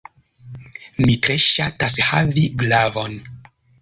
Mi tre ŝatas havi glavon.